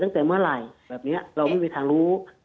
ตั้งแต่เมื่อไหร่แบบนี้เราไม่มีทางรู้